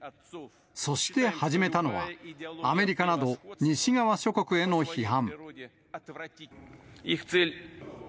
そして始めたのは、アメリカなど、西側諸国への批判。